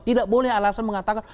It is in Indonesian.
tidak boleh alasan mengatakan